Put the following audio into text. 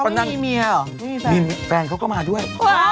เครียดไปด้วย